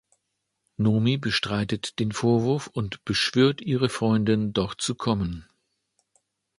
Nomi bestreitet den Vorwurf und beschwört ihre Freundin, doch zu kommen.